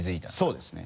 そうですね。